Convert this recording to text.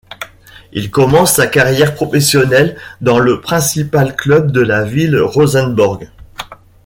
Il commence sa carrière professionnelle dans le principal club de la ville, Rosenborg.